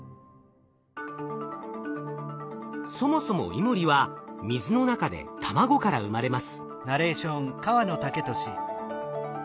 そもそもイモリは水の中で卵から生まれます。